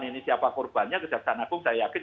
ini siapa korbannya kejaksaan agung saya yakin